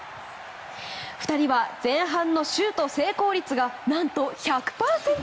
２人は前半のシュート成功率が何と１００％。